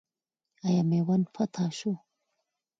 آیا میوند فتح سو؟